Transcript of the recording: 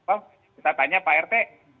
oh kita tanya pak rt